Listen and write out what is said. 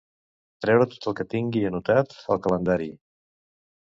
Treure tot el que tingui anotat al calendari.